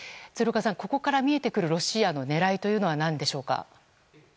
鶴岡さん、ここから見えてくるロシアの狙いというのは何でしょうか？